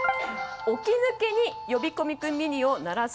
起き抜けに呼び込み君ミニを鳴らす。